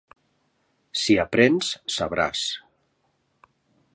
Si aprens, sabràs.